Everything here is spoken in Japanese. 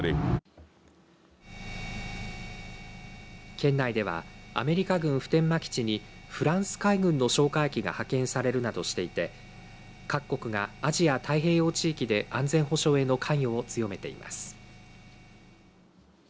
県内ではアメリカ軍普天間基地にフランス海軍の哨戒機が派遣されるなどしていて各国がアジア太平洋地域で安全保障への関与を強めています。